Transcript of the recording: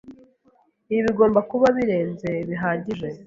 Ibi bigomba kuba birenze bihagije.